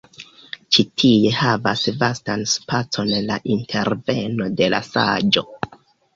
Ĉi tie havas vastan spacon la interveno de la saĝo.